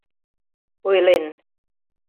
— Ойлен...